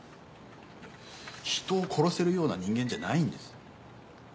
人を殺せるような人間じゃないんです。